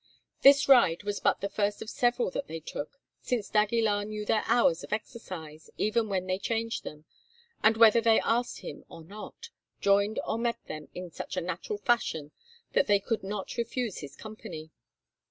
This ride was but the first of several that they took, since d'Aguilar knew their hours of exercise, even when they changed them, and whether they asked him or not, joined or met them in such a natural fashion that they could not refuse his company.